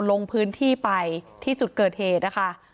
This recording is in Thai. ลงพื้นที่ไปที่จุดเกิดเหตุนะคะ